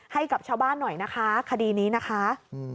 ให้กับชาวบ้านหน่อยนะคะคดีนี้นะคะ